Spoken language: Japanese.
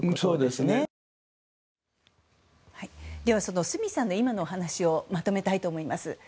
では角さんの今のお話をまとめたいと思います。